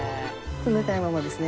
冷たいままですね。